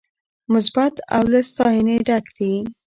مثبت او له ستاينې ډک دي